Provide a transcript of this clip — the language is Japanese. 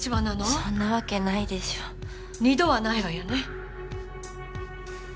そんなわけないでしょ二度はないわよね？